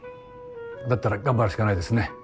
だったら頑張るしかないですね。